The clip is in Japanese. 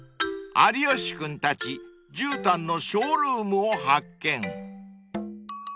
［有吉君たちじゅうたんのショールームを発見］